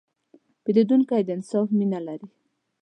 پیرودونکی د انصاف مینه لري.